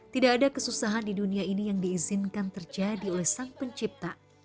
tidak ada kesusahan di dunia ini yang diizinkan terjadi oleh sang pencipta